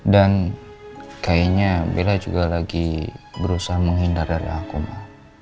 dan kayaknya bella juga lagi berusaha menghindar dari aku ma